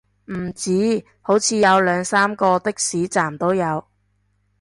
唔止，好似有兩三個的士站都有